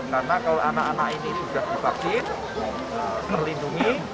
karena kalau anak anak ini sudah divaksin terlindungi